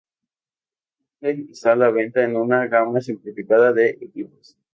Actualmente está a la venta en una gama simplificada de equipos.